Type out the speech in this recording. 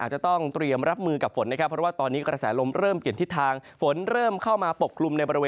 ส่วนใหญ่นั้นจะอยู่บริเวณตอนกลางของภาคฝั่งอันดามันนะครับ